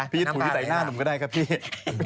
พี่จะถุยใส่หน้าหนุ่มก็ได้ครับพี่